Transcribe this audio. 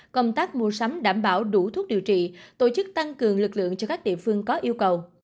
công tác mua sắm đảm bảo đủ thuốc điều trị tổ chức tăng cường lực lượng cho các địa phương có yêu cầu